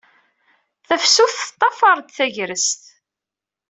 Tafsut tettḍafar-d tagrest.